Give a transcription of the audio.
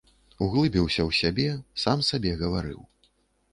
Углыбіўся ў сябе, сам сабе гаварыў.